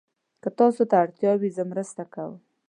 که تاسو ته اړتیا وي، زه مرسته کوم.